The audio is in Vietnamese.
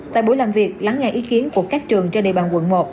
tại buổi làm việc lắng nghe ý kiến của các trường trên địa bàn quận một